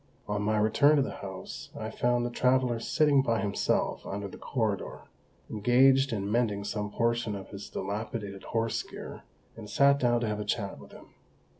On my return to the house I found the traveller sitting by himself under the corridor, engaged in mending some portion of his dilapidated horse gear, and sat down to have a chat with him.